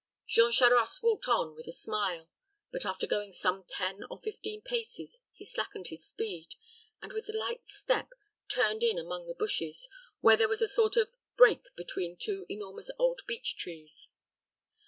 Jean Charost walked on with a smile; but, after going some ten or fifteen paces, he slackened his speed, and, with a light step, turned in among the bushes, where there was a little sort of brake between two enormous old beech trees.